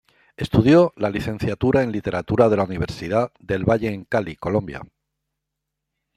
Estudió la Licenciatura en Literatura en la Universidad del Valle en Cali, Colombia.